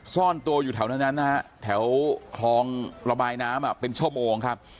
ซ่อนตัวอยู่แถวนั้นนะฮะแถวคลองระบายน้ำเป็นชั่วโมงครับ